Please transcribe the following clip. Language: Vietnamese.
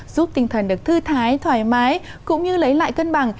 giúp tinh thần được thư thái thoải mái cũng như lấy lại cân bằng